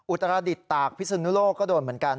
อุตรศาสตร์ตากพิสุนุโลก็โดนเหมือนกัน